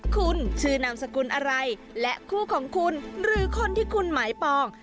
คุณชื่อนามสกุลอะไรและคู่ของคุณหรือคนที่คุณหมายปอง